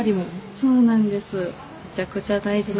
そうなんです。